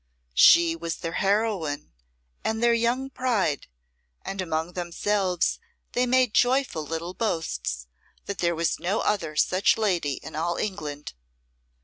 She was their heroine and their young pride, and among themselves they made joyful little boasts that there was no other such lady in all England.